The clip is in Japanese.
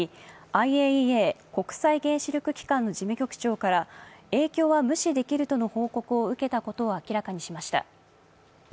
ＩＡＥＡ＝国際原子力機関の事務局長から影響は無視できるとの報告を受けたことを明らかにしました。